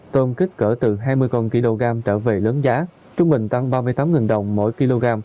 tôm kích cỡ từ hai mươi kg trở về lớn giá trung bình tăng ba mươi tám đồng mỗi kg